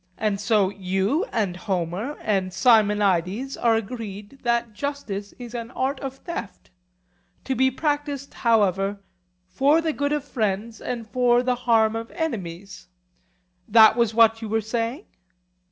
And so, you and Homer and Simonides are agreed that justice is an art of theft; to be practised however 'for the good of friends and for the harm of enemies,'—that was what you were saying?